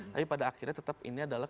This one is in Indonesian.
tapi pada akhirnya tetap ini adalah